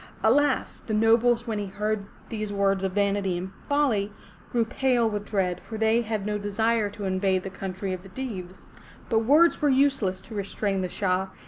Alas! the nobles when they heard these words of vanity and folly, grew pale with dread, for they had no desire to invade the country of the Deevs. But words were useless to restrain the Shah.